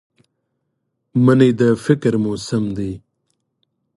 مني د فکر موسم دی